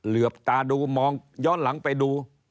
เหลือบตาดูมองย้อนหลังไปดู